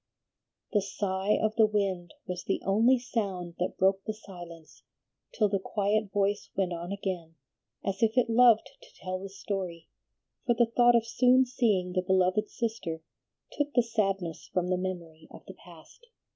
The sigh of the wind was the only sound that broke the silence till the quiet voice went on again, as if it loved to tell the story, for the thought of soon seeing the beloved sister took the sadness from the memory of the past.